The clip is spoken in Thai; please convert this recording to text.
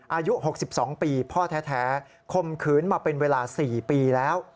อายุ๖๒ปีพ่อแท้คมขืนมาเป็นเวลา๔ปีแล้ว